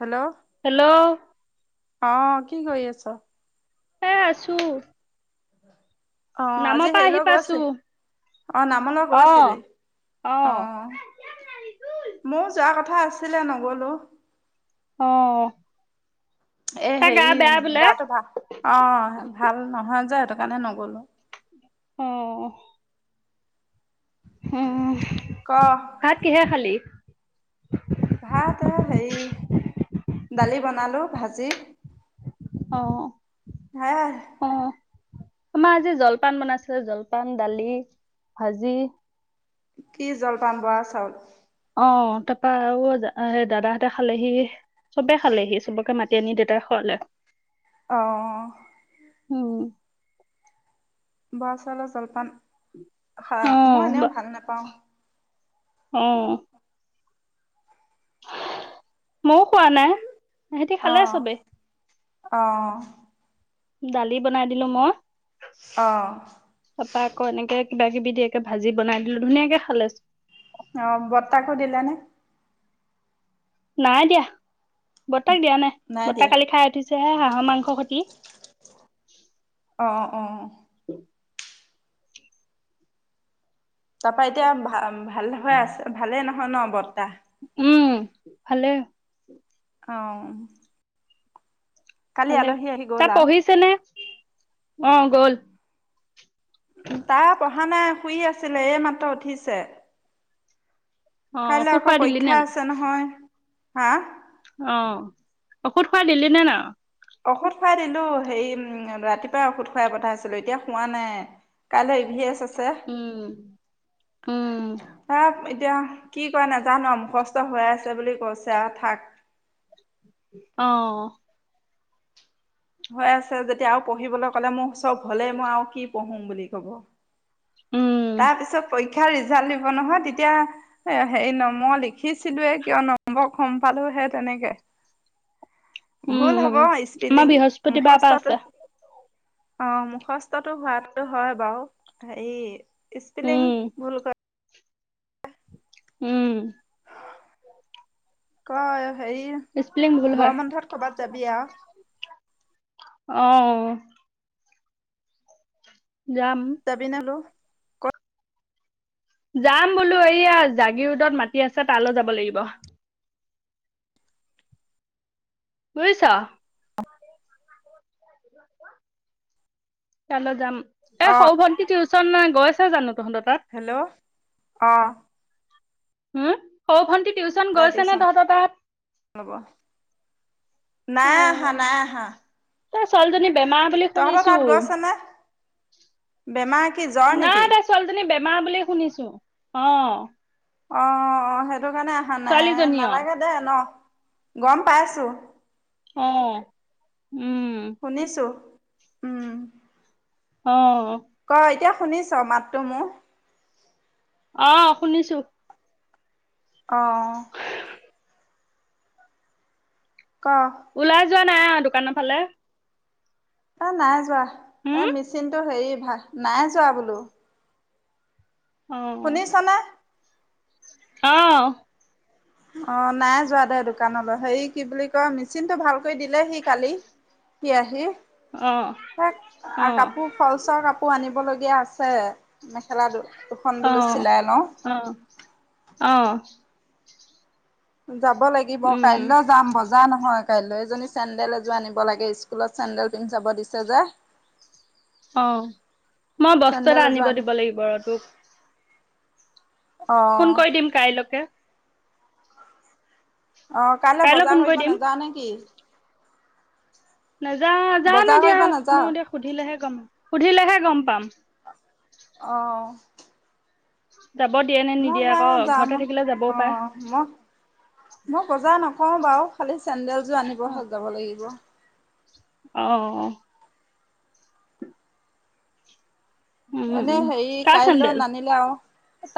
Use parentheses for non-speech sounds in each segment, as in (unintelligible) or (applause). Hello hello. অ', কি কৰি আছ? হে আছোঁ। (inaudible) অ', আজি হেৰিলৈ পাইছো গৈছিল অ', নামলৈ অ গৈছিলি অ', ময়ো যোৱা কথ থা আছিলে নগ'লোঁ। অহ। এ হেৰি গাটো ভাল অ', ভাল নহয় যে সেটো সেইকাৰণে নগ'লো। অহ। উমহ, ক ভাত কিহেৰে খালি? (inaudible) ভাত এ হেই, দালি বনালো, ভাজি অঁ। হেযা'এ। আমাৰ আজি জলপান বনাইছিলে, জলপান, দালি ভাজি কি জলপান বৰা চাউল? অঁ, তাপা আউ, আ সেই দাদাহঁতে খালেহি চবে খালেহি, চবকে মাত তি (unintelligible) আনি দেউতাই খোৱালে। অঁহ। উম। বআ চাউলৰ জলপান হা, অ মই এনেও ভাল নাপাওঁ। অঁ। মও খোৱা নাই। এহেঁতি খালে চবেই। অঁ। দালি বনাই দিলো মই অ তাপা আকৌ এনেকে কিবা কিবি দিয়াকে ভাজি বনাই দিলো, ধুনীয়াকে খালে, চ অঁ, বৰ্তাকো দিলানে? নাই দিয়া। ব তাক দিয়া নাই, বৰ্ত্তা কালি খাই উঠি ছেহে হাঁহ মাংস সতি অঁ, অঁ। তাৰপা, এতিয়া ভা ভা ভালে হয় আছে, ভালে নহ ন বর্ত্তা? উম, ভালে। অঁ। ভালে। তাই গ'ল আও পহিছে নে? অ গ'ল। তাৰ পঢ়া নাই, শুই আছিলে, এই মাত্ৰ উঠিছে। অ ঔষধ কাইলৈ আকৌ খুৱাই দিলি পৰীক্ষা আছে নহয়। হা? অঁ, ঔষধ খোৱা দিলি নে ন? ঔষধ খোৱাই দিলো, হেৰি উম ৰাতিপুৱাই ঔষধ খুৱাই পঠাই আছিলো, এতিয়া খোৱা নাই, কাইলৈ ই-ভি-এছ আছে। উম, উম। তাক এতিয়া কি কৰা নাজানো মুখস্থ হৈ আছে বুলি কৈছে আৰু থাক। অ'। হৈ আছে যেতিয়া আৰু পঢ়িবলৈ ক'লে মোৰ চব হ'লেই মই আৰু কি পঢ়োম বুলি ক'ব। উম তাৰপিছত পৰি ক্ষাৰ ৰিজাল্ট দিব নহয় তেতিয়া হেৰি নম মই লিখিছিলোয়ে কিয় নম্বৰ কম পালোঁ হে তেনেকে। ভুল উম, হ'ব উম, স্পেলিং আমাৰ বৃহস্পতিবাৰৰ পৰা মুখস্থটো আছে। অ', মুখস্ কষ্টটো হোৱটোতো হয় বাৰু। সেই স্পেলিং উম ভুল কৰে। উম। ক হেৰি স্পেলিং ভুল হয় গৰম বন্ধত কৰ'বাত যাবি আৰু? আহ। যাবি নলো? যাম বোলো এইয়া জাগিৰোদত মাটি আছে তালৈ যাব লাগিব। বুজিছা। চল যাম। এ অ সৌ ভণ্টিটো নাই গৈছে জানো? তহঁতৰ তাত হেল্ল' আহ। উম স ভণ্টি টিউশচন তাই গৈছে নে টিউচন তহত তাত? (unintelligible) অ নাই আহা নাই আহা। তাই ছোৱালীজনী‌‌ বেমাৰ বুলি তহঁতৰ শুনিছো, তাত গৈছে নে বেমাৰ কি জ্বৰ নেকি? নাই তাই ছোৱালীজনী বে বেমাৰ বুলি শুনিছো, অঁ। অ সেই সেইটো কাৰণে অহা নাই ছোৱালীজনী অ নালাগে দে ন গম পাইছো অহ শুনিছো উম অ'। ক' এতিয়া শুনিছ' মাতটো মোৰ। অ', শুনিছোঁ। অ'। ক'। ওলাই যোৱা নাই আৰ দোকানৰ ফালে। অ', নাই যোৱা। হম এই মেচিনটো হেৰি হয় নাই যোৱা বোলো। অ অ, শুনিছনে অ, অ নাই যোৱা দে দোকানলৈ হেৰি কি বুলি কয় মিচিন টো ভাল কৈ দিলে সি কালি। সি আহি। অ সে অ কাপোৰ ফলচৰ কাপোৰ আনিব লগীয়া এয়া আছে। মেখেলা দুখন অ বোলো চিলাই লওঁ, অ অ যাব লাগিব উম কাইলৈ যাম বজাৰ নহয়। কাইলৈ এজনী চেণ্ডেল এযোৰ আনিব লাগে স্কুলত চেণ্ডেল পিন্ধি চাব দিছে যে। অ মই বস্তু চেন্দেল এটা এযোৰ আনিব আনি দিব লাগিব ৰ তোক। অঁ ফোন কৰি দিম কাইলৈকে। অ কাইলৈ বজাৰ ফোন কৰি কৰিব দিম নেযাও নেকি। নাযা যানো বজাৰ এতিয়া কৰিব মই নাযাওঁ এতিয়া সুধিলেহে গম সুধিলেহে গম পাম। (unintelligible) অ (inaudible) নে মই নিদিয়ে সে আকৌ যাম ঘৰতে থাকিলে যাবও অ পাৰে মই মই বজাৰ নকওঁ বাৰু খালি চেণ্ডেল যোৰ আনিবহ যাব লাগিব। আহ। উম এনে উম হেৰি কাৰ কাইলৈ চেন্দেল নানিলে আৰু।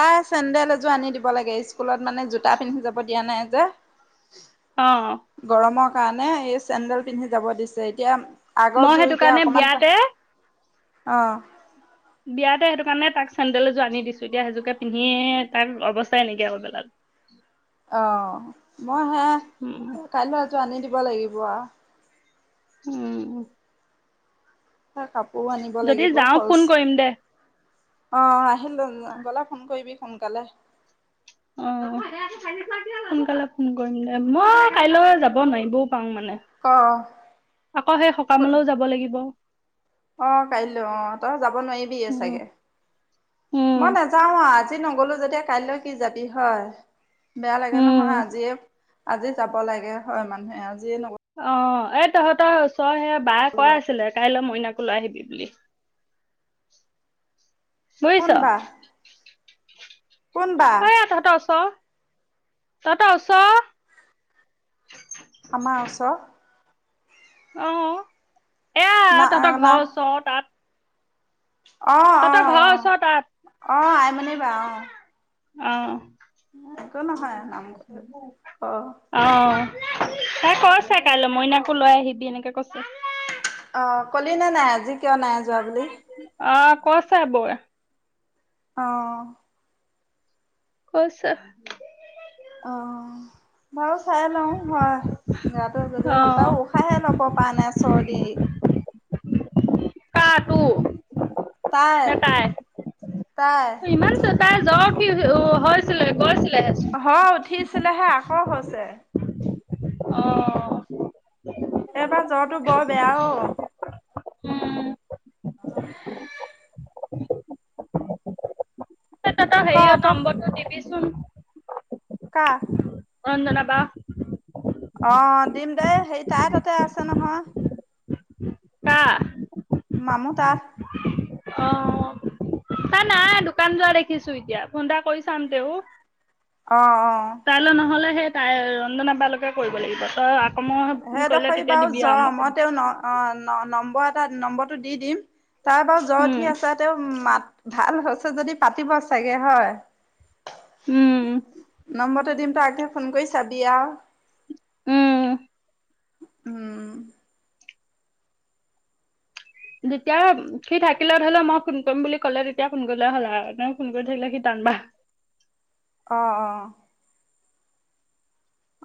তাই চেন্দেল এযোৰ আনি দিব লাগে স্কুলত মানে জোতা পিন্ধি যাব দিয়া নাই যে। অঁ। গৰমৰ কাৰণে এই চেণ্ডেল পিন্ধি যাব দিছে এতিয়া মই সেইটো কাৰণে বিয়াতে আহ। বিয়াতে সেইটো কাৰণে তাক চেণ্ডেল এযোৰ আনি দিছো এতিয়া সেইযোৰোকে পিন্ধি তাক অৱস্থাই নেকি আকৌ বেলা অঁ। মই হে উম কাইলৈ আনি দিব লাগিব আ (inaudible) স কাপ যদি যাওঁ ফোন কৰিম দে আহ আহিল দে গলো ফোন কৰিবি সোনকালে। অ, সোনকালে ফোন কৰিম দে মই কাইলৈ যাব নোৱাৰি ব পাওঁ মানে অ', আকৌ সেই সকামলৈও যাব লাগিব। অ কাইলৈ অ তই যাব নোৱাৰিবি উম চাগে উম মই নাযাও আ আজি ন গ'লো যেতিয়া কাইলৈ কি যাবি হয়। বেয়া লাগে নহয় উম অ আজিয়ে আজি যাব লাগে হয় মানুহে আজি অ এ তহঁতৰ ওচৰ সেয়া ব কৰা আছিলে কাইলৈ মই কইলৈ আহিবি বুলি কোন বুজিছ। বা কোন বা (inaudible) তটা ওছ আমাৰ আওছ আহ। এ না তহঁতৰ ঘৰ ওচৰ তাত আহ আহ তহঁতৰ ঘৰৰ আহ ওচৰ তাত আহ আইমানী বা আহ। অঁ। নাম অ (inaudible) অঁ তাই কৈছে কাইলৈ মইনাকো লৈ আহিবি এনেকে কৈছে। অ কলি ন নাই আজি কিয় নাই যোৱা বুলি। অ কৈছে বৌৱে আহ কৈছে আহ বাৰু চাই লওঁ হয় গাটো অ যদি ভাল পাওঁ উশাহে ল'ব পৰা নাই চৰ্দি কাঁহ টো নে তাই তাই ইমান চ তাই জ্বৰ উঠি আছে ও হৈছিলে, গছিল হয় উঠিছিলেহে আকৌ হৈছে ছে অ'। এইবাৰ জ্বৰটো বৰ বেয়া অ'। উম তই ক হেৰিয় তই নম্বৰটো দিবিচ চোন। কা? অঞ্জনা বা অ', দিম দেই, সেই তাই তাতে আছে নহয়। কা মামুৰ তাত। অ তাই নাই দোকান যোৱা দেখিছোঁ এতিয়া ফোন এটা কৰি চাম তেওঁ অ অ তাইলৈ নহ'লে সেই তাই ৰঞ্জনৰ তালৈকে কৰিব লাগিব। তই আকৌ মই কৰিলে সেইডখৰি তেতিয়া বাৰু দিবি আৰু জ্বৰ কম মই তেওঁ ন অ', নম্ব ম্বৰ এটা নম্বৰটো দি দিম। তাৰ বাৰ জ্বৰ উম উঠি আছে তেওঁ মাত ভাল হৈছে যদি পাতিব চাগে হয়, উম নম্বৰটো দিম তই আগে ফোন কৰি চাবি আৰু। উম উম। যেতিয়া সি থাকিলে ধৰি লওঁ মই ফোন কৰিম বুলি ক'লে তেতিয়া ফোন কৰিলে হ'ল আৰু ফোন কৰি থাকিলে সি টান পায়। অ', অ'।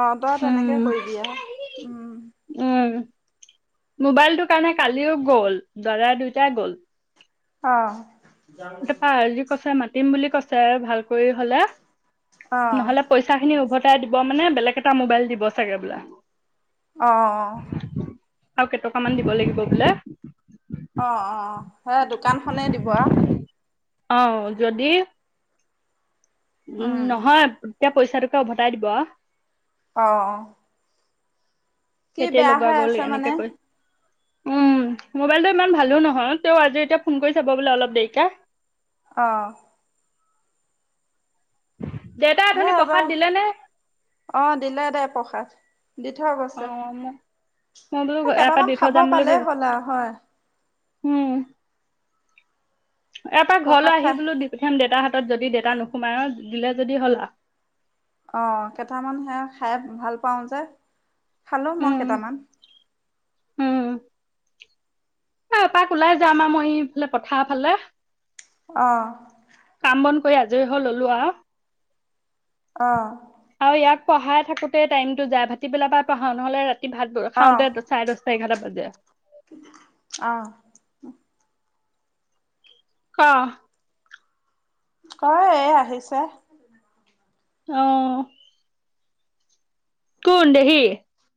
অহ, তই তেনেকে উম কৰিবি আৰু উম। মোবাইলটোৰ কাৰণে কালিও গ'ল ল'ৰা দুয়টাই গ'ল। অহ। এতিয়া পাৰ আজি কৈছে মা তিম বুলি কৈছে ভাল কৰি হ'লে। অঁ নহ'লে পইচা খিনি উভত তাই দিব মানে বেলেগ এটা মোবাইল দিব চাগে বোলা। অ', অ', অ'। আৰু কেইটকামান দিব লাগিব বোলে। অ', অ', অ'। হয় দোকানখনেই দিবা। অ', যদি উম, নহয় এতিয়া পইচাটোকে উভতাই দিব। অ', অ'। কি বেটেৰী বেয়া লগোৱা হৈ গ'ল আছে মানে। এনেকে কৈ উম মোবাইলটো ইমান ভালো নহয় তেওঁ আজি এতিয়া ফোন কৰি চাব বোলে অলপ দেৰিকে। অহঁ দেউতাই হে অথনি হব প্ৰসাদ দিলে নে অ দিলে দে প্ৰসাদ দি থ অ গৈছে। মোক মই বোলো এই ইয়াৰ পৰা কেইটামান দি থৈ খাব যাম বুলি পালেই ভাবি হলে হয়। উম এপাক ঘৰলৈ প্ৰসাদ আহি খাই বোলো দি প্ৰথাম দেউতাহত যদি ডেতা নোসোমায় দিলে যদি হ'লা অহ কেইটামান সে খাই ভাল পাওঁ যে। খালো মই উম কেইটামান উম এপাক ওলাই যাম আৰু মই এইফালে পঠাৰ ফালে অ মনকৈ আজৰি হল ললো আ অহ পঢ়াই থাকোতে টাইম টো যাই ভাতি পেলা পঢ়াও নহলে ৰা ৰাতি ভাতবোৰ অ খাওঁতে চাৰে দহটা এঘাৰটা বাজে। অ ক? ক এই আহিছে। অহ, কোন দেহি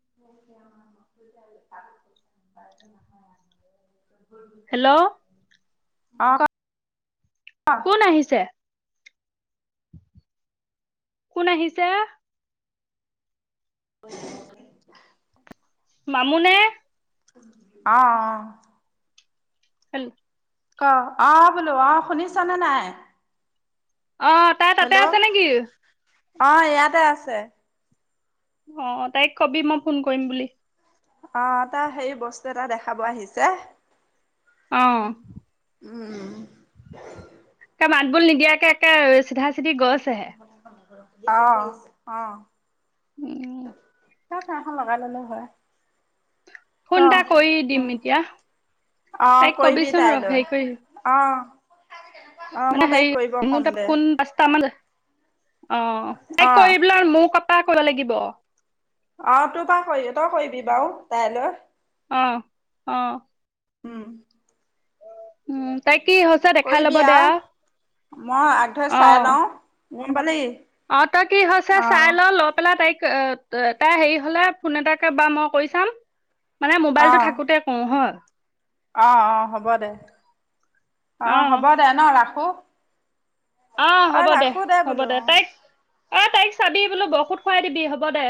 প ন (unintelligible) হেল্ল' (inaudible) অ কোন আহিছে। কোন আহিছে। হয় (unintelligible) মামু নে অ-অ হল (unintelligible) ক অ বোলো অ শুনিছানে নাই? অ তাই তাতে আছে হেল্ল' নেকি? অ ইয়াতে আছে। অ তাইক কবি মই ফোন কৰিম বুলি। অহ তাৰ সেই বস্তু এটা দেখাব আহিছে। অহ উম, মাতবোৰ নিদিয়াকে একে চিধা হেতি গইছে হে। অহ, অ'। উম। ত খাৰ এখন লগাই ল'লো হয়। ক ফোন এটা কৰি দিম, এতিয়া অ তাইক কৰিবি ক'বিচোন ৰ' তাইলৈ হেৰি কৰি অ অ মই মানে সেই তাইক কৰিব মোৰ ক'ম তাত দে ফোন পাঁচটামান অ', তাই অ কৰিলাৰ আৰু মোক পাৰ কৰা লাগিব। অ', তোৰ বা কৰিব তই কৰিবি বাৰু তাইলৈ। অ', অ'। উম। উম, তাইক কৰিবি আৰু মই আগ ধৰি অ চাই লওঁ। মম পালি অ', তই কি হৈছে অ চাই ল' লৈ পেলাই তাইক ক' অ' এ তাই হেৰি হ'লে ফোন এটাকে বা মই কৰি চাম। মানে অ মোবাইলটো থাকোতে কওঁ হয়। অ', অ', হ'ব দে। অ', হ'ব দে ন' ৰাখো। অ', হ'ব দে, ৰাখো হ'ব বোলো দে, অ তাইক অ', তাইক চাবি বোলো (unintelligible) খোৱাই দিবি হ'ব দে।